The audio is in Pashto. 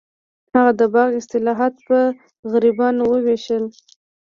هغه د باغ حاصلات په غریبانو وویشل.